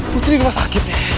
putri di rumah sakit